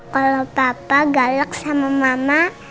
kalau papa galak sama mama